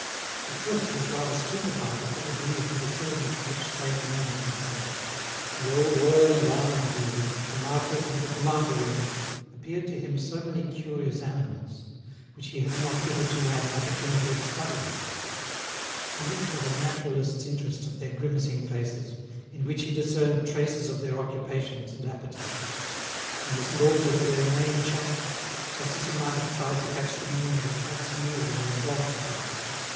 At first he was rather stupefied at the degree of imbecility to which sane men can sink. The old oil and almond dealers, the marquis and the commander even, appeared to him so many curious animals, which he had not hitherto had an opportunity of studying. He looked with a naturalist's interest at their grimacing faces, in which he discerned traces of their occupations and appetites; he listened also to their inane chatter, just as he might have tried to catch the meaning of a cat's mew or a dog's bark.